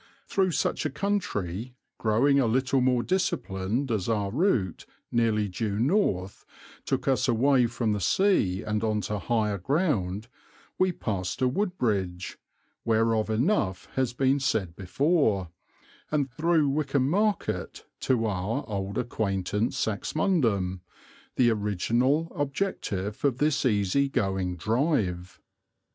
Through such a country, growing a little more disciplined as our route, nearly due north, took us away from the sea and on to higher ground, we passed to Woodbridge, whereof enough has been said before, and through Wickham Market to our old acquaintance Saxmundham, the original objective of this easy going drive.